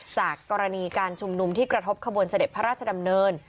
จากกรณีการชุมนุมที่กระทบขบวนเสด็จพระราชดำเนิน